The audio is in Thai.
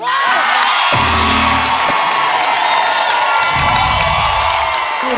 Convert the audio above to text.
ร้องได้ให้ร้าง